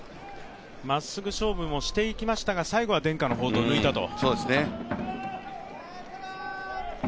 まっすぐ勝負もしていきましたが、最後は伝家の宝刀を抜いたと。